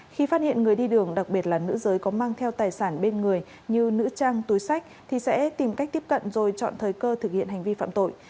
khi phát hiện người đi đường đặc biệt là nữ giới có mang theo tài sản bên người như nữ trang túi sách thì sẽ tìm cách tiếp cận rồi chọn thời cơ thực hiện hành vi phạm tội